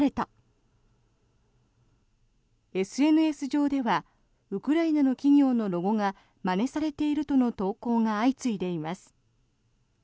ＳＮＳ上ではウクライナの企業のロゴがまねされているとの投稿が相次いでいます。